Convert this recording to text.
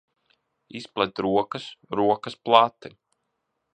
Izplet rokas. Rokas plati!